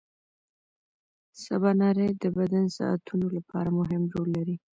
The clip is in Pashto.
سباناري د بدن ساعتونو لپاره مهمه رول لري.